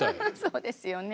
そうですよね。